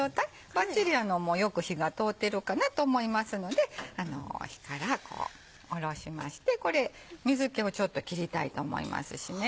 バッチリよく火が通ってるかなと思いますので火からおろしましてこれ水気をちょっと切りたいと思います。